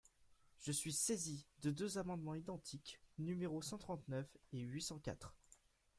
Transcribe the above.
Je suis saisi de deux amendements identiques, numéros cent trente-neuf et huit cent quatre.